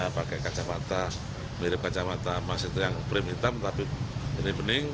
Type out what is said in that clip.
pakai kacamata mirip kacamata mas itu yang prim hitam tapi benih bening